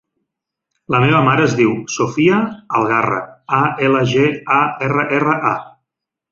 La meva mare es diu Sofía Algarra: a, ela, ge, a, erra, erra, a.